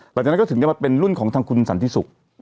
หลังจากนั้นก็ถึงเพิ่งรูปปิดบุตรเป็นรุ่นของทางคุณสันทิสุก